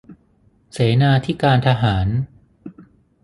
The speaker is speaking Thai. เสนาธิการทหาร